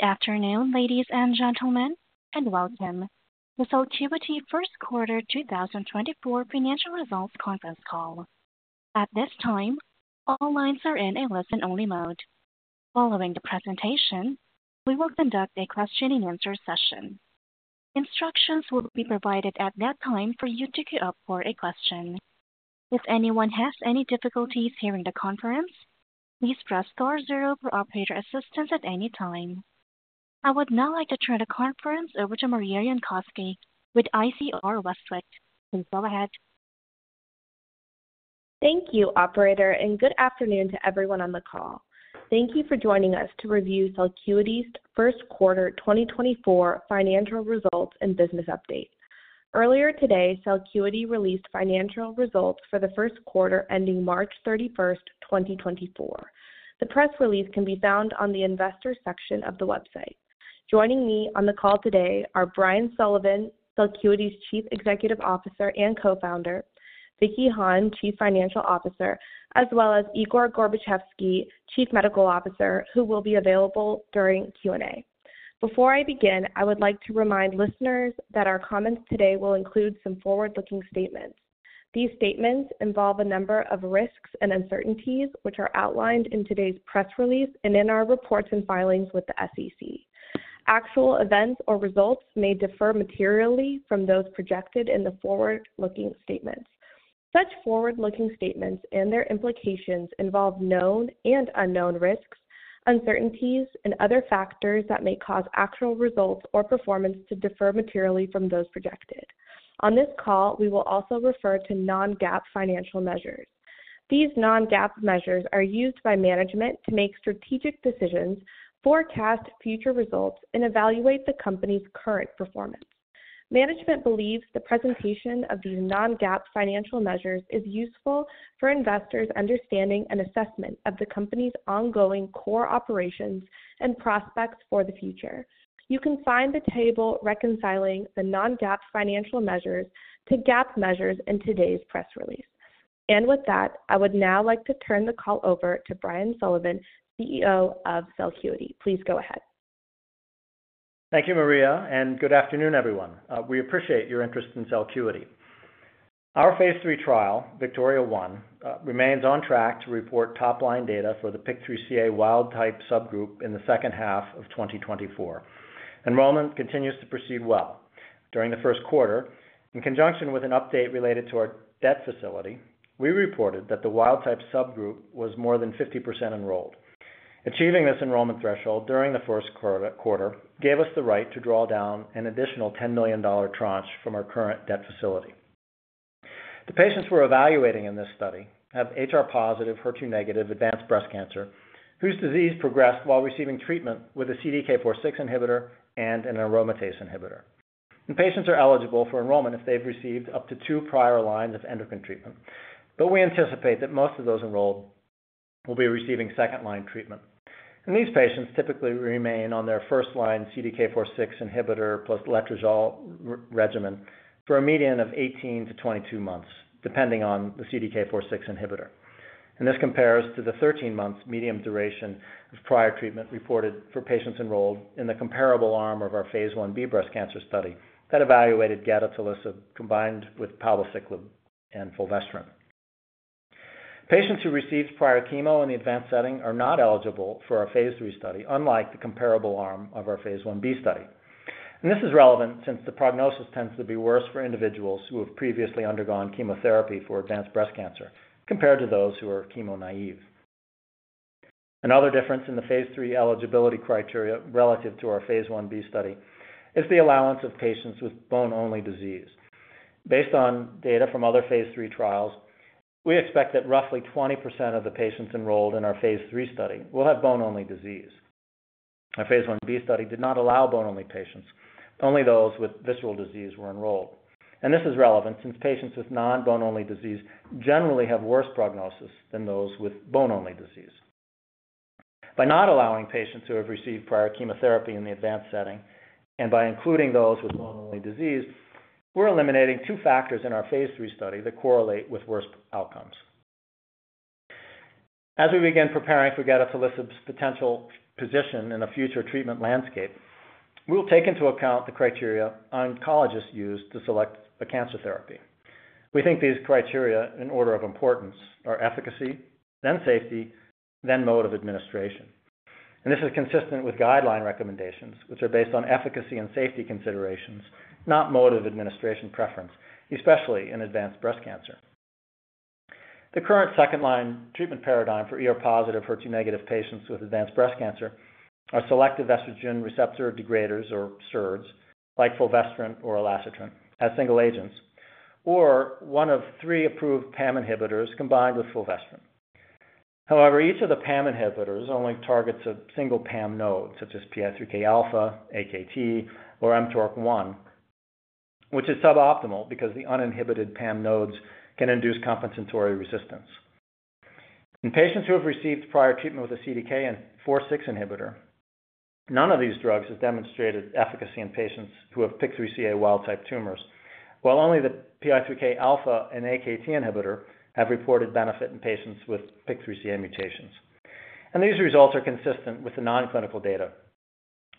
Good afternoon, ladies and gentlemen, and welcome to Celcuity First Quarter 2024 Financial Results Conference Call. At this time, all lines are in a listen-only mode. Following the presentation, we will conduct a question-and-answer session. Instructions will be provided at that time for you to queue up for a question. If anyone has any difficulties hearing the conference, please press star zero for operator assistance at any time. I would now like to turn the conference over to Maria Yonkoski with ICR Westwicke. Please go ahead. Thank you, operator, and good afternoon to everyone on the call. Thank you for joining us to review Celcuity's first quarter 2024 financial results and business update. Earlier today, Celcuity released financial results for the first quarter, ending March 31, 2024. The press release can be found on the investor section of the website. Joining me on the call today are Brian Sullivan, Celcuity's Chief Executive Officer and Co-founder, Vicky Hahne, Chief Financial Officer, as well as Igor Gorbatchevsky, Chief Medical Officer, who will be available during Q&A. Before I begin, I would like to remind listeners that our comments today will include some forward-looking statements. These statements involve a number of risks and uncertainties, which are outlined in today's press release and in our reports and filings with the SEC. Actual events or results may differ materially from those projected in the forward-looking statements. Such forward-looking statements and their implications involve known and unknown risks, uncertainties, and other factors that may cause actual results or performance to differ materially from those projected. On this call, we will also refer to non-GAAP financial measures. These non-GAAP measures are used by management to make strategic decisions, forecast future results, and evaluate the company's current performance. Management believes the presentation of these non-GAAP financial measures is useful for investors' understanding and assessment of the company's ongoing core operations and prospects for the future. You can find the table reconciling the non-GAAP financial measures to GAAP measures in today's press release. With that, I would now like to turn the call over to Brian Sullivan, CEO of Celcuity. Please go ahead. Thank you, Maria, and good afternoon, everyone. We appreciate your interest in Celcuity. Our Phase III trial, VIKTORIA-1, remains on track to report top-line data for the PIK3CA wildtype subgroup in the second half of 2024. Enrollment continues to proceed well. During the first quarter, in conjunction with an update related to our debt facility, we reported that the wildtype subgroup was more than 50% enrolled. Achieving this enrollment threshold during the first quarter gave us the right to draw down an additional $10 million tranche from our current debt facility. The patients we're evaluating in this study have HR-positive, HER2-negative advanced breast cancer, whose disease progressed while receiving treatment with a CDK4/6 inhibitor and an aromatase inhibitor. The patients are eligible for enrollment if they've received up to two prior lines of endocrine treatment, but we anticipate that most of those enrolled will be receiving second-line treatment. These patients typically remain on their first-line CDK4/6 inhibitor plus letrozole regimen for a median of 18-22 months, depending on the CDK4/6 inhibitor. This compares to the 13-month median duration of prior treatment reported for patients enrolled in the comparable arm of our phase Ib breast cancer study that evaluated gedatolisib combined with palbociclib and fulvestrant. Patients who received prior chemo in the advanced setting are not eligible for our phase III study, unlike the comparable arm of our phase Ib study. This is relevant since the prognosis tends to be worse for individuals who have previously undergone chemotherapy for advanced breast cancer compared to those who are chemo naive. Another difference in the phase III eligibility criteria relative to our phase Ib study is the allowance of patients with bone-only disease. Based on data from other phase III trials, we expect that roughly 20% of the patients enrolled in our phase III study will have bone-only disease. Our phase Ib study did not allow bone-only patients, only those with visceral disease were enrolled. This is relevant since patients with non-bone-only disease generally have worse prognosis than those with bone-only disease. By not allowing patients who have received prior chemotherapy in the advanced setting and by including those with bone-only disease, we're eliminating two factors in our phase III study that correlate with worse outcomes. As we begin preparing for gedatolisib's potential position in a future treatment landscape, we'll take into account the criteria oncologists use to select a cancer therapy. We think these criteria, in order of importance, are efficacy, then safety, then mode of administration. This is consistent with guideline recommendations, which are based on efficacy and safety considerations, not mode of administration preference, especially in advanced breast cancer. The current second-line treatment paradigm for ER-positive, HER2-negative patients with advanced breast cancer are selective estrogen receptor degraders or SERDs, like fulvestrant or elacestrant as single agents, or one of three approved PAM inhibitors combined with fulvestrant. However, each of the PAM inhibitors only targets a single PAM node, such as PI3K alpha, AKT, or mTORC1, which is suboptimal because the uninhibited PAM nodes can induce compensatory resistance. In patients who have received prior treatment with a CDK4/6 inhibitor, none of these drugs has demonstrated efficacy in patients who have PIK3CA wild-type tumors... while only the PI3K alpha and AKT inhibitor have reported benefit in patients with PIK3CA mutations. These results are consistent with the non-clinical data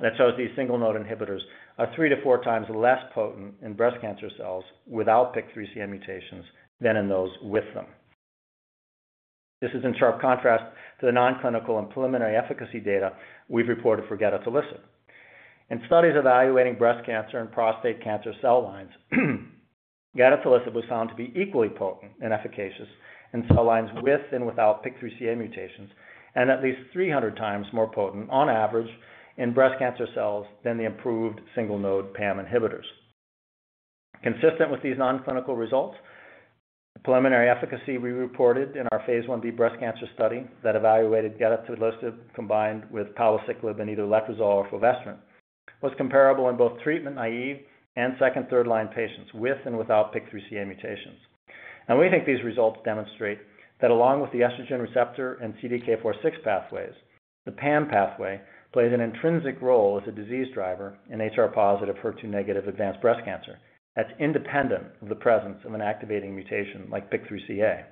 that shows these single-node inhibitors are 3 to 4 times less potent in breast cancer cells without PIK3CA mutations than in those with them. This is in sharp contrast to the non-clinical and preliminary efficacy data we've reported for gedatolisib. In studies evaluating breast cancer and prostate cancer cell lines, gedatolisib was found to be equally potent and efficacious in cell lines with and without PIK3CA mutations, and at least 300 times more potent on average, in breast cancer cells than the improved single-node PAM inhibitors. Consistent with these non-clinical results, the preliminary efficacy we reported in our phase 1B breast cancer study that evaluated gedatolisib, combined with palbociclib and either letrozole or fulvestrant, was comparable in both treatment-naive and second/third line patients with and without PIK3CA mutations. And we think these results demonstrate that along with the estrogen receptor and CDK4/6 pathways, the PAM pathway plays an intrinsic role as a disease driver in HR-positive, HER2-negative advanced breast cancer, that's independent of the presence of an activating mutation like PIK3CA.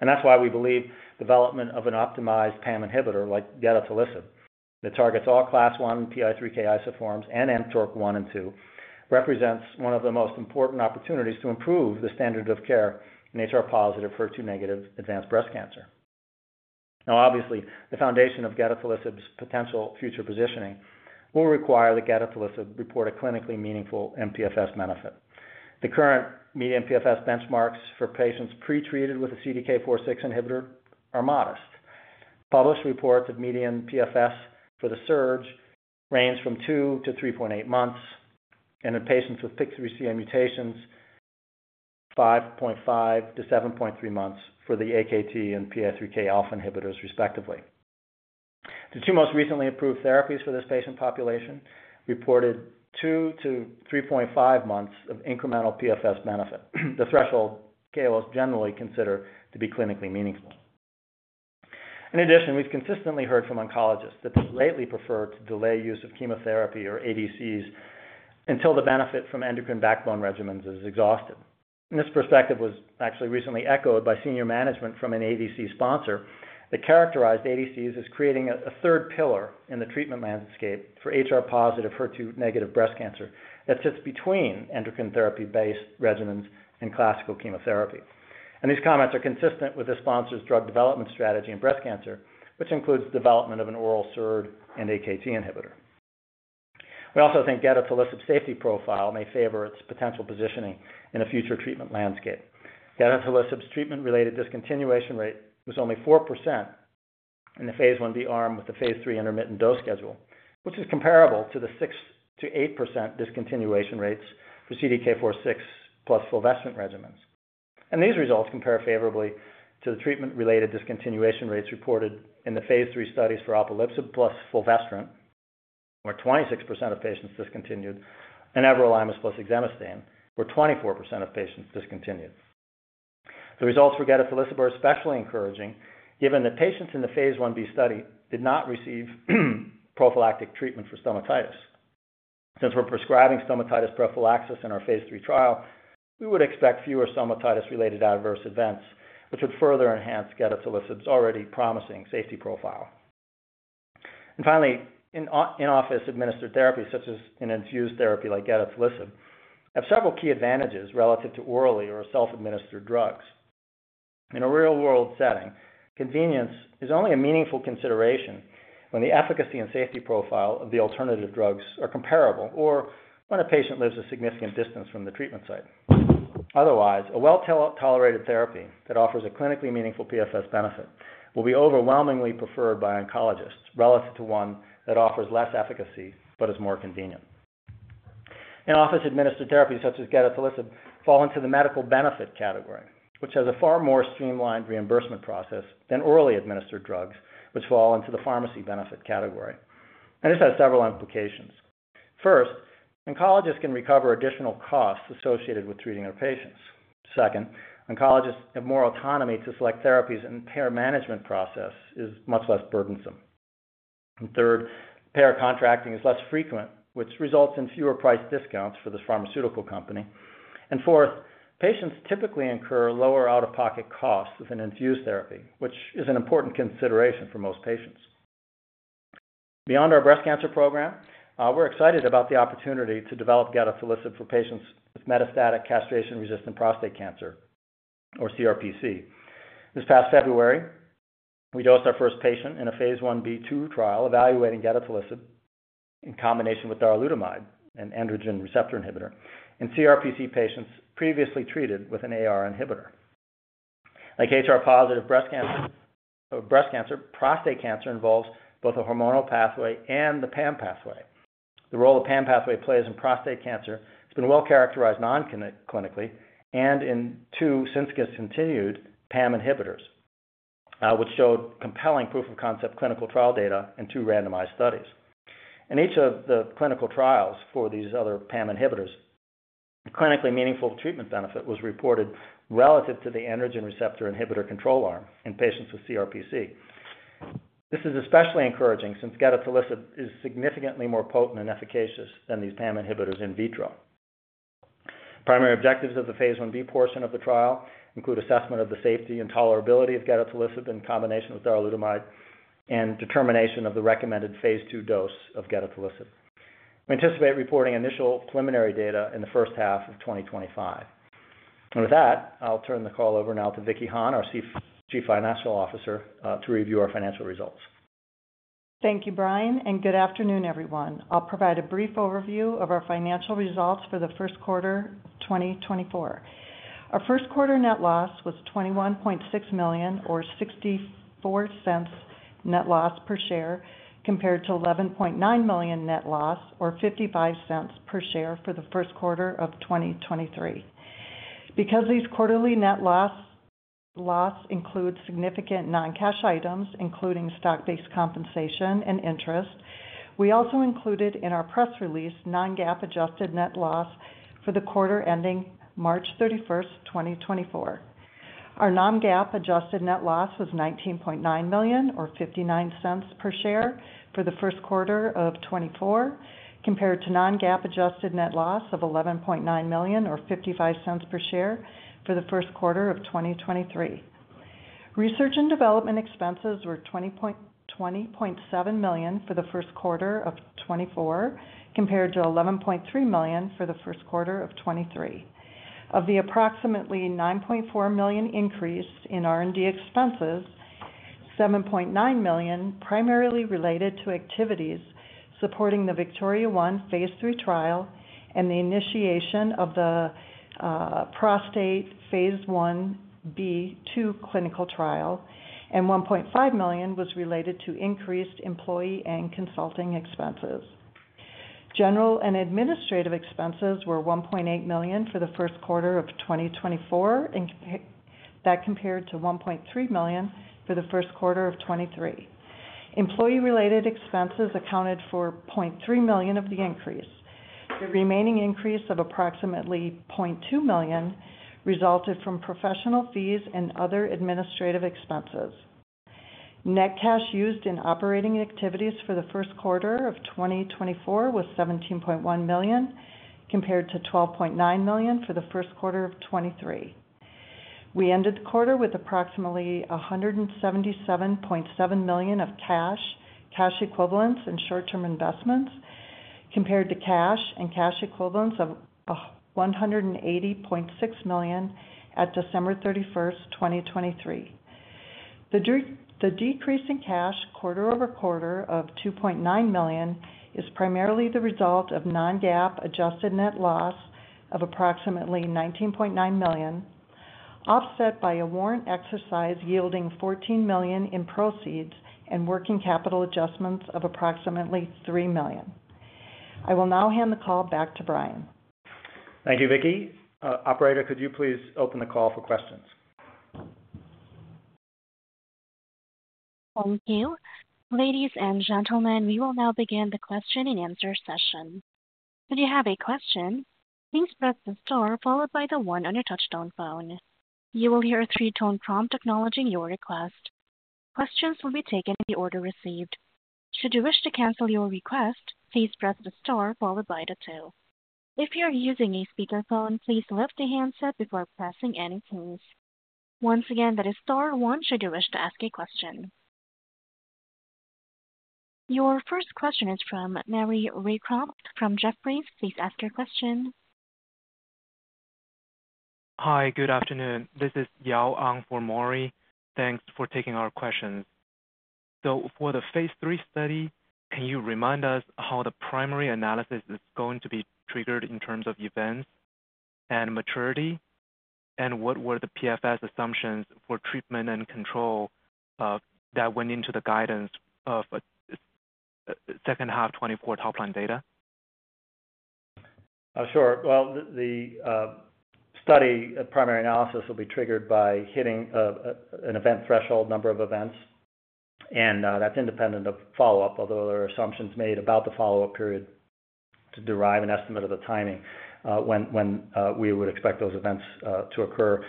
And that's why we believe development of an optimized PAM inhibitor like gedatolisib, that targets all class one PI3K isoforms and mTORC1 and mTORC2, represents one of the most important opportunities to improve the standard of care in HR-positive, HER2-negative advanced breast cancer. Now, obviously, the foundation of gedatolisib's potential future positioning will require that gedatolisib report a clinically meaningful mPFS benefit. The current median PFS benchmarks for patients pretreated with a CDK4/6 inhibitor are modest. Published reports of median PFS for the SERDs ranges from 2-3.8 months, and in patients with PIK3CA mutations, 5.5-7.3 months for the AKT and PI3K alpha inhibitors, respectively. The two most recently approved therapies for this patient population reported 2-3.5 months of incremental PFS benefit, the threshold that is generally considered to be clinically meaningful. In addition, we've consistently heard from oncologists that they lately prefer to delay use of chemotherapy or ADCs until the benefit from endocrine backbone regimens is exhausted. And this perspective was actually recently echoed by senior management from an ADC sponsor, that characterized ADCs as creating a third pillar in the treatment landscape for HR-positive, HER2-negative breast cancer, that sits between endocrine therapy-based regimens and classical chemotherapy. And these comments are consistent with the sponsor's drug development strategy in breast cancer, which includes development of an oral SERD and AKT inhibitor. We also think gedatolisib safety profile may favor its potential positioning in a future treatment landscape. Gedatolisib's treatment-related discontinuation rate was only 4% in the phase 1b arm with the phase 3 intermittent dose schedule, which is comparable to the 6%-8% discontinuation rates for CDK4/6 plus fulvestrant regimens. And these results compare favorably to the treatment-related discontinuation rates reported in the phase 3 studies for alpelisib plus fulvestrant, where 26% of patients discontinued, and everolimus plus exemestane, where 24% of patients discontinued. The results for gedatolisib are especially encouraging, given that patients in the phase 1b study did not receive prophylactic treatment for stomatitis. Since we're prescribing stomatitis prophylaxis in our phase III trial, we would expect fewer stomatitis-related adverse events, which would further enhance gedatolisib's already promising safety profile. And finally, in-office administered therapy, such as an infused therapy like gedatolisib, have several key advantages relative to orally or self-administered drugs. In a real-world setting, convenience is only a meaningful consideration when the efficacy and safety profile of the alternative drugs are comparable, or when a patient lives a significant distance from the treatment site. Otherwise, a well-tolerated therapy that offers a clinically meaningful PFS benefit will be overwhelmingly preferred by oncologists, relative to one that offers less efficacy but is more convenient. In-office administered therapies such as gedatolisib fall into the medical benefit category, which has a far more streamlined reimbursement process than orally administered drugs, which fall into the pharmacy benefit category. And this has several implications. First, oncologists can recover additional costs associated with treating their patients. Second, oncologists have more autonomy to select therapies, and payer management process is much less burdensome. And third, payer contracting is less frequent, which results in fewer price discounts for the pharmaceutical company. And fourth, patients typically incur lower out-of-pocket costs with an infused therapy, which is an important consideration for most patients. Beyond our breast cancer program, we're excited about the opportunity to develop gedatolisib for patients with metastatic castration-resistant prostate cancer, or CRPC. This past February, we dosed our first patient in a phase 1b/2 trial, evaluating gedatolisib in combination with darolutamide, an androgen receptor inhibitor, in CRPC patients previously treated with an AR inhibitor. Like HR-positive breast cancer, breast cancer, prostate cancer involves both a hormonal pathway and the PAM pathway. The role the PAM pathway plays in prostate cancer has been well characterized clinically, and in two since continued PAM inhibitors, which showed compelling proof-of-concept clinical trial data in two randomized studies. In each of the clinical trials for these other PAM inhibitors, clinically meaningful treatment benefit was reported relative to the androgen receptor inhibitor control arm in patients with CRPC. This is especially encouraging since gedatolisib is significantly more potent and efficacious than these PAM inhibitors in vitro. Primary objectives of the phase 1b portion of the trial include assessment of the safety and tolerability of gedatolisib in combination with darolutamide and determination of the recommended phase 2 dose of gedatolisib. We anticipate reporting initial preliminary data in the first half of 2025. And with that, I'll turn the call over now to Vicky Hahne, our Chief Financial Officer, to review our financial results. Thank you, Brian, and good afternoon, everyone. I'll provide a brief overview of our financial results for the first quarter of 2024. Our first quarter net loss was $21.6 million, or $0.64 net loss per share, compared to $11.9 million net loss, or $0.55 per share for the first quarter of 2023. Because these quarterly net losses include significant non-cash items, including stock-based compensation and interest, we also included in our press release non-GAAP adjusted net loss for the quarter ending March 31, 2024. Our non-GAAP adjusted net loss was $19.9 million or $0.59 per share for the first quarter of 2024, compared to non-GAAP adjusted net loss of $11.9 million or $0.55 per share for the first quarter of 2023. Research and development expenses were $20.7 million for the first quarter of 2024, compared to $11.3 million for the first quarter of 2023. Of the approximately $9.4 million increase in R&D expenses, $7.9 million, primarily related to activities supporting the VIKTORIA-1 phase 3 trial and the initiation of the prostate Phase 1b/2 clinical trial, and $1.5 million was related to increased employee and consulting expenses. General and administrative expenses were $1.8 million for the first quarter of 2024, that compared to $1.3 million for the first quarter of 2023. Employee-related expenses accounted for $0.3 million of the increase. The remaining increase of approximately $0.2 million resulted from professional fees and other administrative expenses. Net cash used in operating activities for the first quarter of 2024 was $17.1 million, compared to $12.9 million for the first quarter of 2023. We ended the quarter with approximately $177.7 million of cash, cash equivalents, and short-term investments, compared to cash and cash equivalents of $180.6 million at December 31, 2023. The decrease in cash quarter-over-quarter of $2.9 million is primarily the result of non-GAAP adjusted net loss of approximately $19.9 million, offset by a warrant exercise yielding $14 million in proceeds and working capital adjustments of approximately $3 million. I will now hand the call back to Brian. Thank you, Vicky. Operator, could you please open the call for questions? Thank you. Ladies and gentlemen, we will now begin the question-and-answer session. If you have a question, please press the star followed by the one on your touchtone phone. You will hear a three-tone prompt acknowledging your request. Questions will be taken in the order received. Should you wish to cancel your request, please press the star followed by the two. If you are using a speakerphone, please lift the handset before pressing any keys. Once again, that is star one should you wish to ask a question. Your first question is from Maury Raycroft from Jefferies. Please ask your question. Hi, good afternoon. This is Yao Ang for Maury. Thanks for taking our questions. So for the phase 3 study, can you remind us how the primary analysis is going to be triggered in terms of events and maturity? And what were the PFS assumptions for treatment and control, that went into the guidance of, second half 2024 top-line data? Sure. Well, the study primary analysis will be triggered by hitting an event threshold, number of events, and that's independent of follow-up, although there are assumptions made about the follow-up period to derive an estimate of the timing when we would expect those events to occur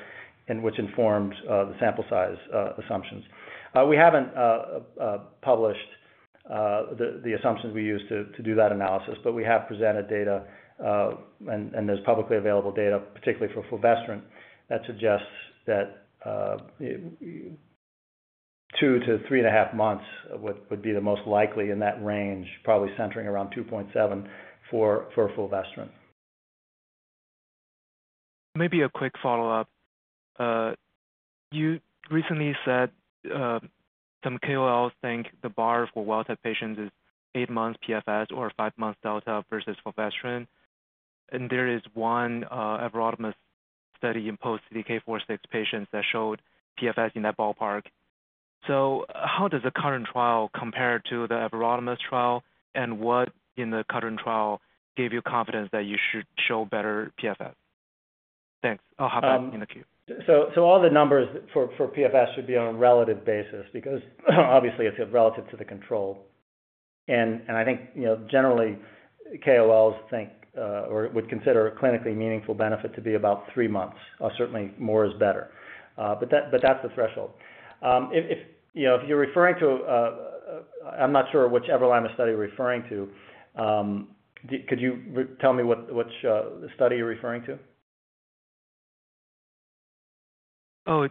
and which informs the sample size assumptions. We haven't published the assumptions we used to do that analysis, but we have presented data and there's publicly available data, particularly for fulvestrant, that suggests that 2 to 3.5 months would be the most likely in that range, probably centering around 2.7 for fulvestrant. Maybe a quick follow-up. You recently said some KOLs think the bar for wild-type patients is 8 months PFS or 5 months delta versus fulvestrant, and there is one everolimus study in post-CDK4/6 patients that showed PFS in that ballpark. So how does the current trial compare to the everolimus trial? And what in the current trial gave you confidence that you should show better PFS? Thanks. I'll hop back in the queue. So all the numbers for PFS should be on a relative basis, because, obviously, it's relative to the control... And I think, you know, generally, KOLs think or would consider a clinically meaningful benefit to be about 3 months, or certainly more is better. But that, but that's the threshold. If, if you know, if you're referring to, I'm not sure which everolimus study you're referring to. Could you re-tell me what, which study you're referring to? Oh,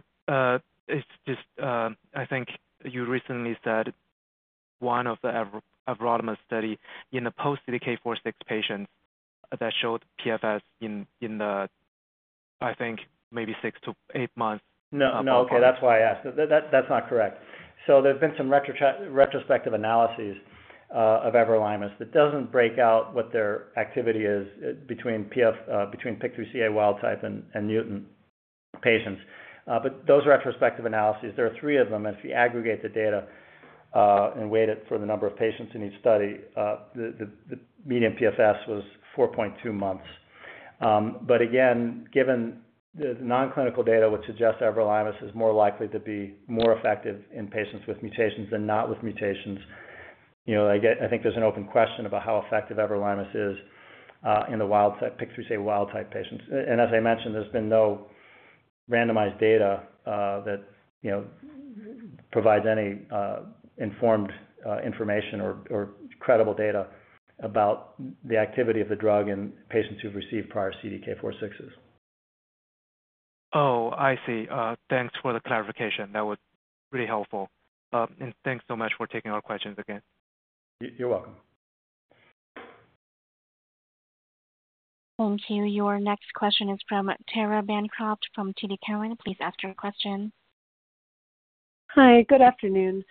it's just, I think you recently said one of the everolimus study in the post CDK 4/6 patients that showed PFS in the, I think, maybe 6-8 months. No, no. Okay, that's why I asked. That's not correct. So there's been some retrospective analyses of everolimus that doesn't break out what their activity is between PIK3CA wild type and mutant patients. But those retrospective analyses, there are 3 of them. If you aggregate the data and weight it for the number of patients in each study, the median PFS was 4.2 months. But again, given the non-clinical data, which suggests everolimus is more likely to be more effective in patients with mutations than not with mutations, you know, I get... I think there's an open question about how effective everolimus is in the wild type, PIK3CA wild type patients. As I mentioned, there's been no randomized data that you know provides any informed information or credible data about the activity of the drug in patients who've received prior CDK4/6. Oh, I see. Thanks for the clarification. That was pretty helpful. And thanks so much for taking our questions again. You're welcome. Thank you. Your next question is from Tara Bancroft, from TD Cowen. Please ask your question. Hi, good afternoon.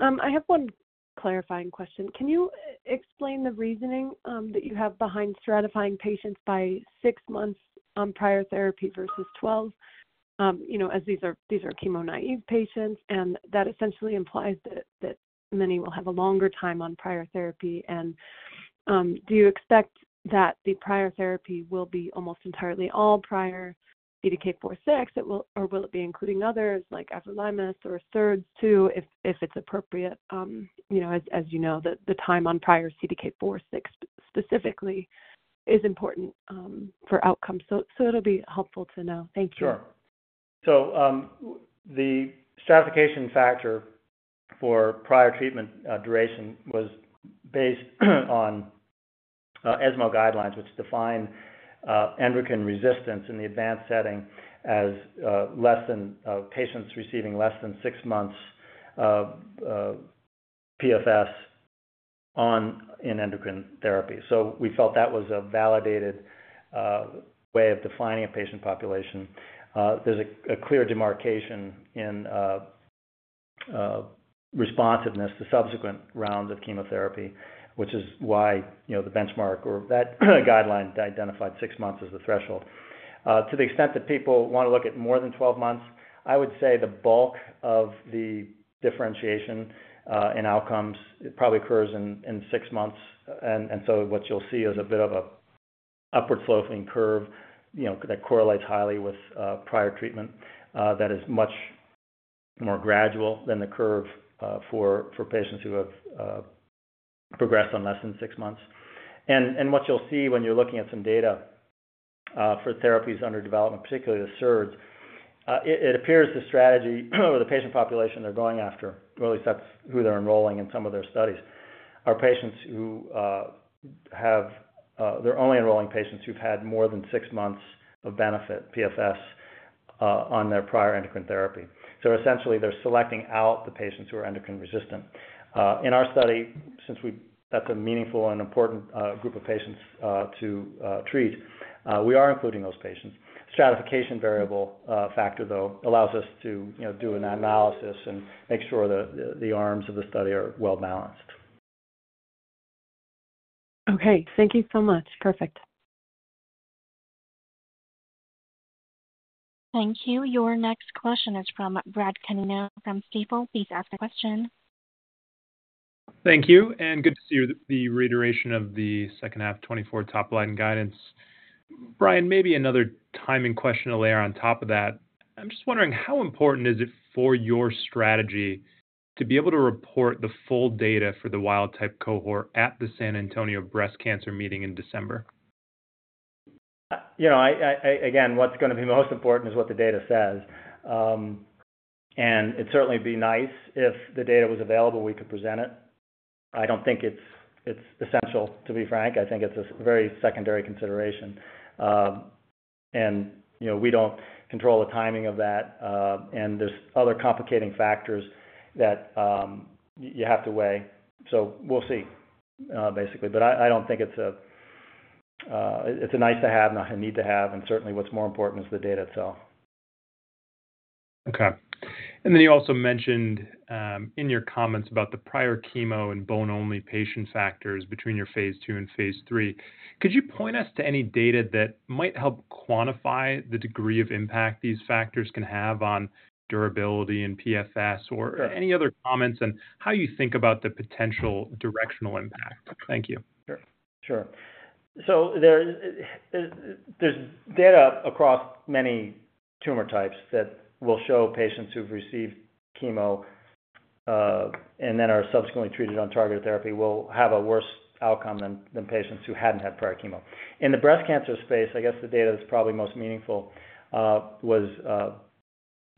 I have one clarifying question. Can you explain the reasoning that you have behind stratifying patients by 6 months prior therapy versus 12? You know, as these are chemo-naive patients, and that essentially implies that many will have a longer time on prior therapy. Do you expect that the prior therapy will be almost entirely all prior CDK 4/6 or will it be including others like everolimus or SERDs, too, if it's appropriate? You know, as you know, the time on prior CDK 4/6, specifically, is important for outcomes. So, it'll be helpful to know. Thank you. Sure. So, the stratification factor for prior treatment, duration was based on, ESMO guidelines, which define, endocrine resistance in the advanced setting as, less than, patients receiving less than six months of, PFS on... in endocrine therapy. So we felt that was a validated, way of defining a patient population. There's a clear demarcation in, responsiveness to subsequent rounds of chemotherapy, which is why, you know, the benchmark or that guideline identified six months as the threshold. To the extent that people want to look at more than 12 months, I would say the bulk of the differentiation, in outcomes, it probably occurs in, six months. So what you'll see is a bit of an upward sloping curve, you know, that correlates highly with prior treatment, that is much more gradual than the curve for patients who have progressed on less than six months. And what you'll see when you're looking at some data for therapies under development, particularly the SERDs, it appears the strategy or the patient population they're going after, or at least that's who they're enrolling in some of their studies, are patients who have... They're only enrolling patients who've had more than six months of benefit, PFS, on their prior endocrine therapy. So essentially, they're selecting out the patients who are endocrine resistant. In our study, since we... That's a meaningful and important group of patients to treat, we are including those patients. Stratification variable, factor, though, allows us to, you know, do an analysis and make sure that the arms of the study are well-balanced. Okay. Thank you so much. Perfect. Thank you. Your next question is from Brad Canino from Stifel. Please ask the question. Thank you, and good to see you. The reiteration of the second half 2024 top-line guidance. Brian, maybe another timing question to layer on top of that. I'm just wondering, how important is it for your strategy to be able to report the full data for the wild-type cohort at the San Antonio Breast Cancer meeting in December? You know, again, what's gonna be most important is what the data says. And it'd certainly be nice if the data was available, we could present it. I don't think it's essential, to be frank. I think it's a very secondary consideration. And, you know, we don't control the timing of that, and there's other complicating factors that you have to weigh. So we'll see, basically, but I don't think it's a nice to have, not a need to have, and certainly what's more important is the data itself. Okay. And then you also mentioned in your comments about the prior chemo and bone-only patient factors between your phase 2 and phase 3. Could you point us to any data that might help quantify the degree of impact these factors can have on durability and PFS? Sure. or any other comments on how you think about the potential directional impact? Thank you. Sure. Sure. So there's data across many tumor types that will show patients who've received chemo and then are subsequently treated on targeted therapy will have a worse outcome than patients who hadn't had prior chemo. In the breast cancer space, I guess the data that's probably most meaningful was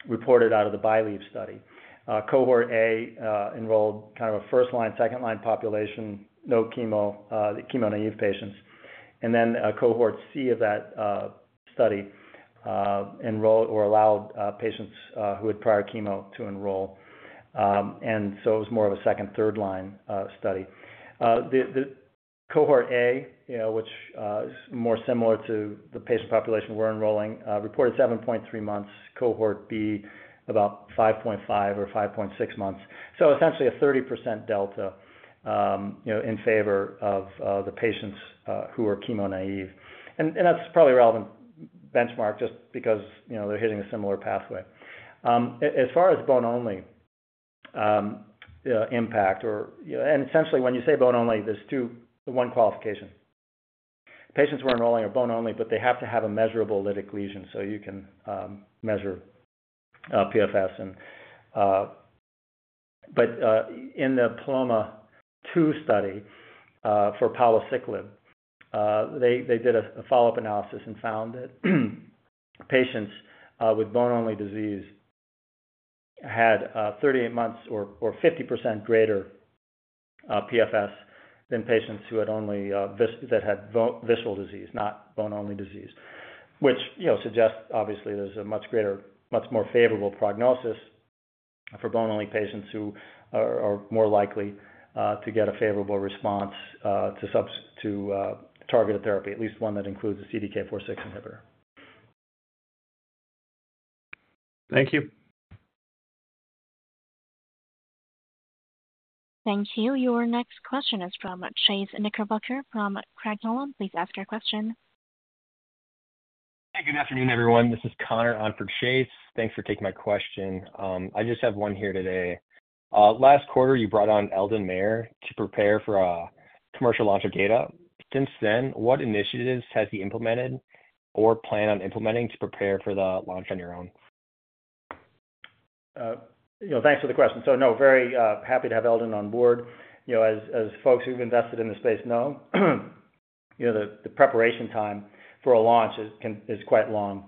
reported out of the BYLieve study. Cohort A enrolled kind of a first-line, second-line population, no chemo, the chemo-naive patients. And then, cohort C of that study enrolled or allowed patients who had prior chemo to enroll. And so it was more of a second, third line study. The cohort A, you know, which is more similar to the patient population we're enrolling, reported 7.3 months. Cohort B, about 5.5 or 5.6 months. So essentially, a 30% delta, you know, in favor of the patients who are chemo naive. And that's probably relevant benchmark just because, you know, they're hitting a similar pathway. As far as bone-only impact or... And essentially, when you say bone-only, there's two, one qualification. Patients who are enrolling are bone-only, but they have to have a measurable lytic lesion, so you can measure PFS and... But in the PALOMA-2 study for palbociclib, they did a follow-up analysis and found that patients with bone-only disease had 38 months or 50% greater PFS than patients who had only visceral disease, not bone-only disease. Which, you know, suggests obviously there's a much greater, much more favorable prognosis for bone-only patients who are more likely to get a favorable response to targeted therapy, at least one that includes a CDK4/6 inhibitor. Thank you. Thank you. Your next question is from Chase Knickerbocker from Craig-Hallum. Please ask your question. Hey, good afternoon, everyone. This is Connor on for Chase. Thanks for taking my question. I just have one here today. Last quarter, you brought on Eldon Mayer to prepare for a commercial launch of gedatolisib. Since then, what initiatives has he implemented or plan on implementing to prepare for the launch on your own? You know, thanks for the question. So no, very happy to have Eldon on board. You know, as folks who've invested in this space know, you know, the preparation time for a launch is quite long.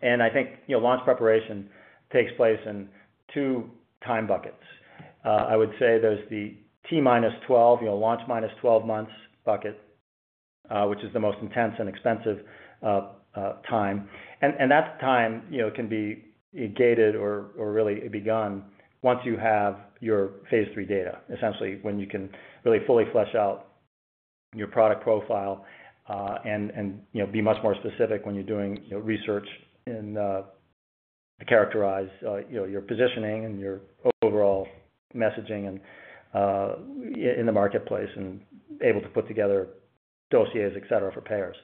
And I think, you know, launch preparation takes place in two time buckets. I would say there's the T minus 12, you know, launch minus 12 months bucket, which is the most intense and expensive time. That time, you know, can be gated or really begun once you have your phase 3 data, essentially, when you can really fully flesh out your product profile, and, you know, be much more specific when you're doing, you know, research and to characterize, you know, your positioning and your overall messaging and in the marketplace and able to put together dossiers, et cetera, et cetera, for payers.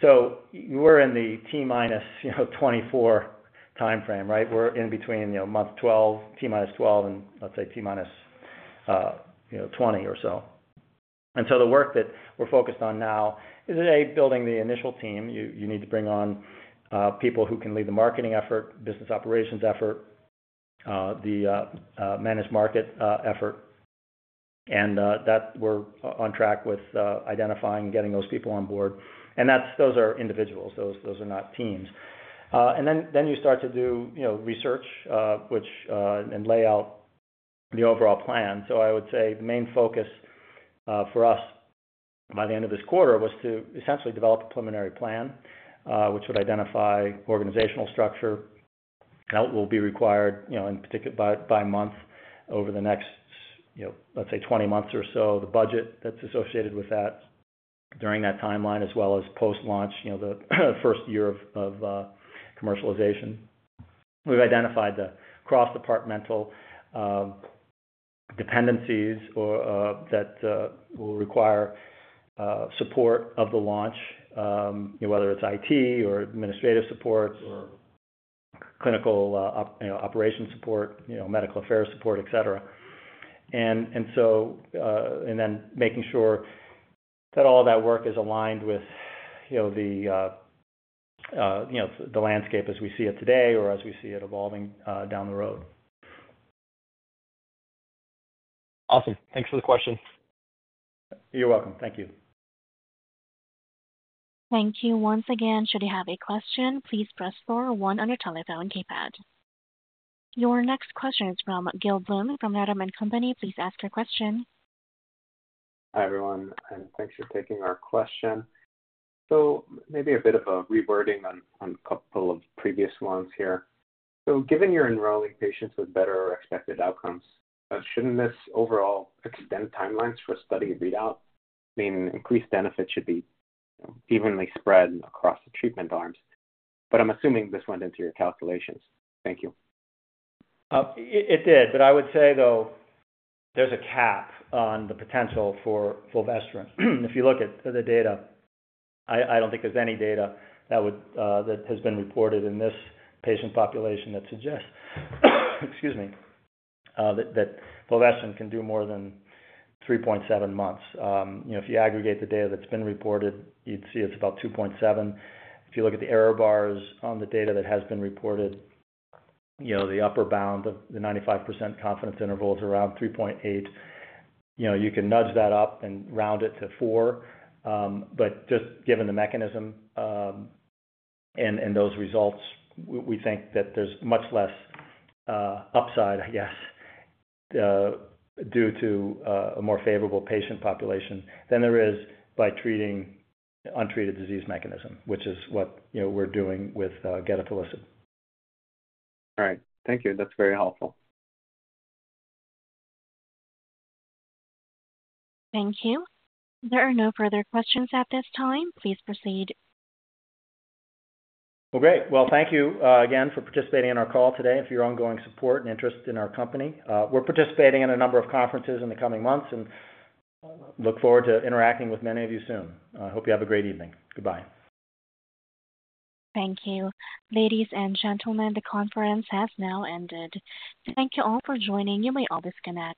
So you are in the T minus, you know, 24 timeframe, right? We're in between, you know, month 12, T minus 12 and let's say T minus, you know, 20 or so. And so the work that we're focused on now is, A, building the initial team. You need to bring on people who can lead the marketing effort, business operations effort, the managed market effort. That we're on track with identifying and getting those people on board. And that's. Those are individuals, those are not teams. And then you start to do, you know, research, which and lay out the overall plan. So I would say the main focus for us by the end of this quarter was to essentially develop a preliminary plan, which would identify organizational structure that will be required, you know, in particular by month over the next, you know, let's say, 20 months or so. The budget that's associated with that during that timeline, as well as post-launch, you know, the first year of commercialization. We've identified the cross-departmental dependencies or that will require support of the launch, whether it's IT or administrative support or clinical operation support, you know, medical affairs support, et cetera. And then making sure that all that work is aligned with, you know, the landscape as we see it today or as we see it evolving down the road. Awesome. Thanks for the question. You're welcome. Thank you. Thank you. Once again, should you have a question, please press star one on your telephone keypad. Your next question is from Gil Blum from Needham & Company. Please ask your question. Hi, everyone, and thanks for taking our question. So maybe a bit of a rewording on, on a couple of previous ones here. So given you're enrolling patients with better or expected outcomes, shouldn't this overall extend timelines for study readout? Meaning increased benefit should be evenly spread across the treatment arms, but I'm assuming this went into your calculations. Thank you. It did, but I would say, though, there's a cap on the potential for fulvestrant. If you look at the data, I don't think there's any data that would that has been reported in this patient population that suggests that fulvestrant can do more than 3.7 months. You know, if you aggregate the data that's been reported, you'd see it's about 2.7. If you look at the error bars on the data that has been reported, you know, the upper bound of the 95% confidence interval is around 3.8. You know, you can nudge that up and round it to four. But just given the mechanism, and those results, we think that there's much less upside, I guess, due to a more favorable patient population than there is by treating untreated disease mechanism, which is what, you know, we're doing with gedatolisib. All right. Thank you. That's very helpful. Thank you. There are no further questions at this time. Please proceed. Well, great. Well, thank you again for participating in our call today and for your ongoing support and interest in our company. We're participating in a number of conferences in the coming months and look forward to interacting with many of you soon. I hope you have a great evening. Goodbye. Thank you. Ladies and gentlemen, the conference has now ended. Thank you all for joining. You may all disconnect.